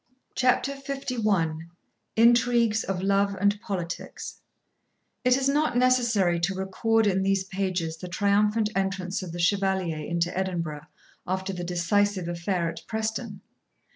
CHAPTER LI INTRIGUES OF LOVE AND POLITICS It is not necessary to record in these pages the triumphant entrance of the Chevalier into Edinburgh after the decisive affair at Preston.